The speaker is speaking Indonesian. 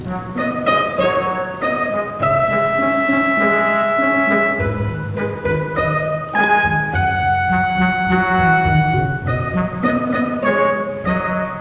untung dulu kaget aja